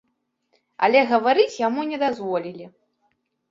Але гаварыць яму не дазволілі.